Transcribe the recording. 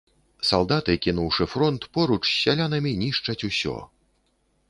Салдаты, кінуўшы фронт, поруч з сялянамі нішчаць усё.